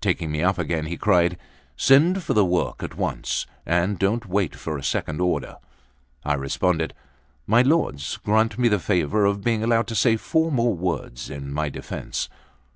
Taking me up again, he cried: "Send for the work at once, and don't wait for a second order." I responded: "My lords, grant me the favour of being allowed to say four more words in my defence."